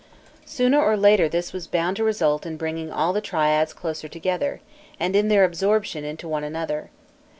Sooner or later this was bound to result in bringing all the triads closer together, and in their absorption into one another.